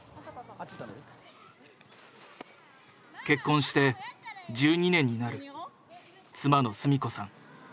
結婚して１２年になる妻の純子さん。